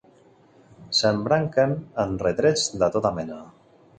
S'embranquen en retrets de tota mena.